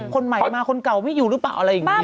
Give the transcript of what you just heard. คนใหม่มาคนเก่าไม่อยู่หรือเปล่าอะไรอย่างนี้